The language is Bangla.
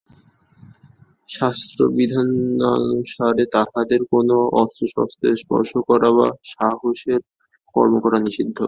শাস্ত্রবিধানানুসারে তাঁহাদের কোন অস্ত্রশস্ত্র স্পর্শ করা বা সাহসের কর্ম করা নিষিদ্ধ।